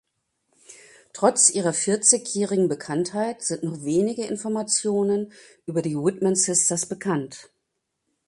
Trotz ihrer vierzigjährigen Bekanntheit sind nur wenige Informationen über die Whitman Sisters bekannt.